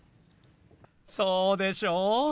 そうでしょ。